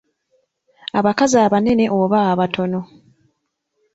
Abakazi abanene oba abatono.